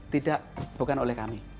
tidak bukan oleh kami